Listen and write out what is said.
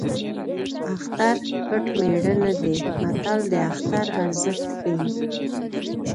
اختر پټ مېړه نه دی متل د اختر ارزښت ښيي